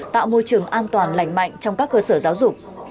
tạo môi trường an toàn lành mạnh trong các cơ sở giáo dục